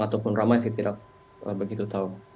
ataupun ramai sih tidak begitu tahu